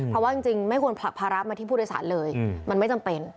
เพราะว่าจริงไม่ควรผลักภาระมาที่ผู้โดยสารเลยมันไม่จำเป็น